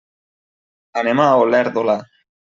Anem a Olèrdola.